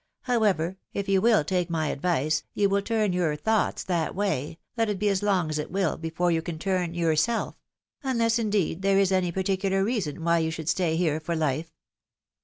How ever, if you will take my advice, you will turn your thoughts that way, let it be as long as it will before you can turn your self—unless^ indeed, there is any particular reason why you should stay here for life."